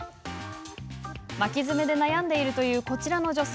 巻き爪で悩んでいるというこちらの女性。